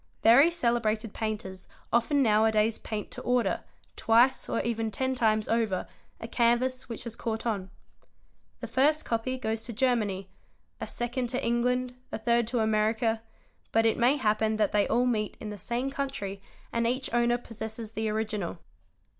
Very celebrated painters often now a days paint to order, twice or even ten times over, a canvas which has caught on. The first copy goes to Germany, a second to England, a third to America; but it may happen that they all — meet in the same country and each owner possesses the original.